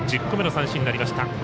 １０個目の三振になりました。